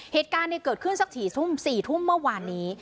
เหตุการณ์เนี่ยเกิดขึ้นสัก๔ทุ่มเมื่อวานนี้